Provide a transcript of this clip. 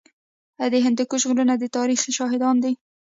د هندوکش غرونه د تاریخ شاهدان دي